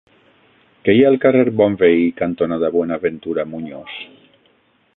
Què hi ha al carrer Bonveí cantonada Buenaventura Muñoz?